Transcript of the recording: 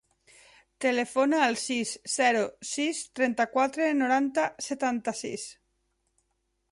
Telefona al sis, zero, sis, trenta-quatre, noranta, setanta-sis.